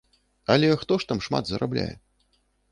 Але хто ж там шмат зарабляе?